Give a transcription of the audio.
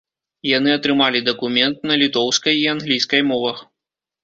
Яны атрымалі дакумент на літоўскай і англійскай мовах.